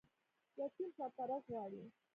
یتیم سرپرست غواړي